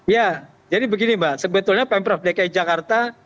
ya jadi begini mbak sebetulnya pemprov dki jakarta